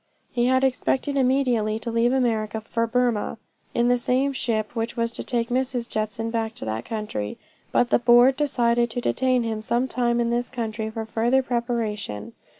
'" He had expected immediately to leave America for Burmah, in the same ship which was to take Mrs. Judson back to that country, but the Board decided to detain him some time in this country for further preparation.